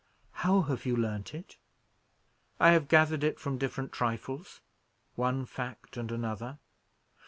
"How have you learnt it?" "I have gathered it from different trifles; one fact and another.